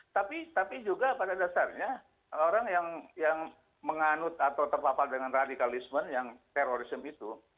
tapi juga pada dasarnya orang yang menganut atau terpapar dengan radikalisme yang terorisme itu